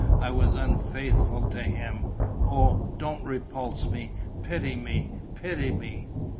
I was unfaithful to him.... Oh, don't repulse me! Pity me, pity me!"